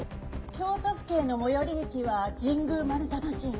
京都府警の最寄り駅は神宮丸太町駅。